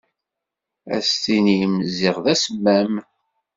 Ad s-tinni-m ziɣ d asemmam.